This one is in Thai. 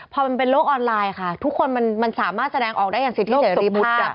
พอมันเป็นโลกออนไลน์ค่ะทุกคนมันสามารถแสดงออกได้อย่างสิทธิเสรีภาพ